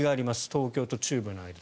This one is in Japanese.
東京と中部の間。